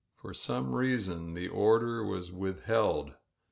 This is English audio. For some reason the order was withheld.